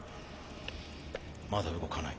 まだ動かない。